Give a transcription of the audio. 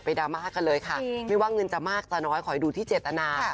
ดราม่ากันเลยค่ะไม่ว่าเงินจะมากจะน้อยขอให้ดูที่เจตนา